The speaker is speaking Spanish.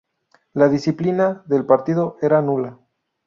La disciplina de partido era nula.